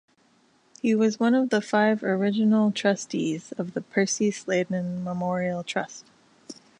He was one of the five original Trustees of the Percy Sladen Memorial Trust.